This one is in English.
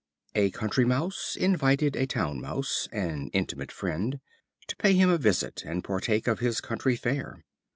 A Country Mouse invited a Town Mouse, an intimate friend, to pay him a visit, and partake of his country fare.